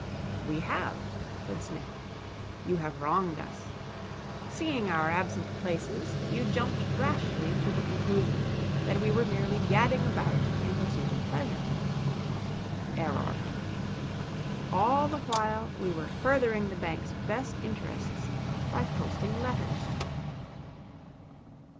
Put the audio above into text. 'We have,' said Psmith. 'You have wronged us. Seeing our absent places you jumped rashly to the conclusion that we were merely gadding about in pursuit of pleasure. Error. All the while we were furthering the bank's best interests by posting letters.'